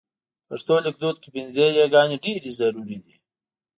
په پښتو لیکدود کې پينځه یې ګانې ډېرې ضرور دي.